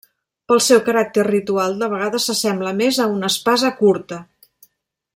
Pel seu caràcter ritual de vegades s'assembla més a una espasa curta.